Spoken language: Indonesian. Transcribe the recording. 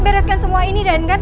tidak tidak tidak